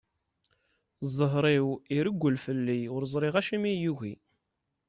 Zher-iw, irewwel fell-i, ur ẓriɣ acimi i iyi-yugi.